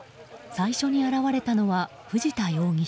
最初に現れたのは藤田容疑者。